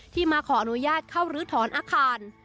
ที่มาขออนุญาตเข้ารื้อถอนรถอนอาคาร